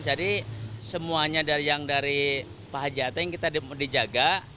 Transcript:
jadi semuanya yang dari pak haji ateng kita dijaga